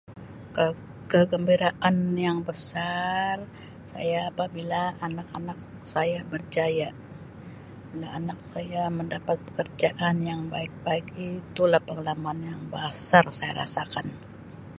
kegambiraan yang besar saya apabila anak-anak saya berjaya anak-anak saya mendapat pekerjaan yang baik-baik itu la pengalaman yang basar saya rasakan.